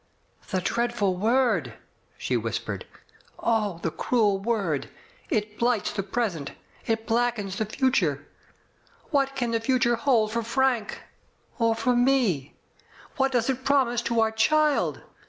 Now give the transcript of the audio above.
"The dreadful word !'* she whispered — "oh, the cruel word! It blights the present, it blackens the future. What can the future hold for Frank — or for me? What does it promise to our child?